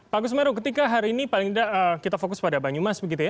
pak gusmero ketika hari ini paling tidak kita fokus pada banyumas